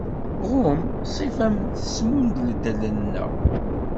Ɣum, ṣṣifa-m tesmundleḍ allen-nneɣ.